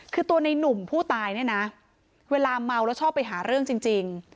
คือตัวในนุ่มผู้ตายเนี่ยนะเวลาเมาแล้วชอบไปหาเรื่องจริง